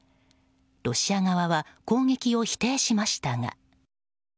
ロシア側は攻撃を否定しましたが。